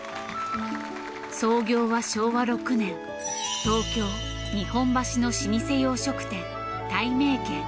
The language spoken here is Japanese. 創業は昭和６年東京日本橋の老舗洋食店たいめいけん。